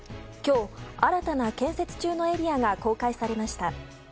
今日、新たな建設中のエリアが公開されました。